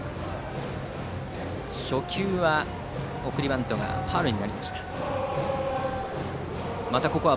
初球は送りバントがファウルになりました。